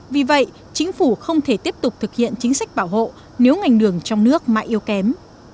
vì vậy chính phủ không thể tiếp tục thực hiện chính sách bảo hộ nếu ngành đường trong nước mà yếu kém